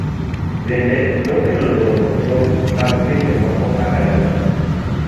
Bende nokelo loro tong' mag pinje moko kaka Uganda.